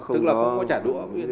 tức là không có trả đũa